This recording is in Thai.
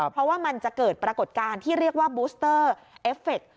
เพราะว่ามันจะเกิดปรากฏการณ์ที่เรียกว่าบูสเตอร์เอฟเฟค